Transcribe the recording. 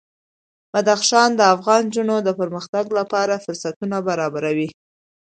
بدخشان د افغان نجونو د پرمختګ لپاره فرصتونه برابروي.